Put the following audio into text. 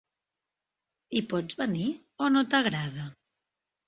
Hi pots venir o no t'agrada?